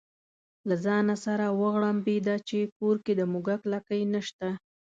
له ځانه سره وغړمبېده چې کور کې د موږک لکۍ نشته.